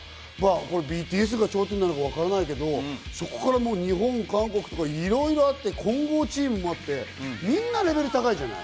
ＢＴＳが頂点なのかわからないけど、そこから日本、韓国とかいろいろあって混合チームもあって、みんなレベル高いじゃない。